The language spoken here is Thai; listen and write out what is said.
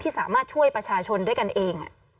สามารถช่วยประชาชนด้วยกันเอง